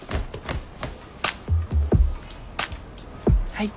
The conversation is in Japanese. はい。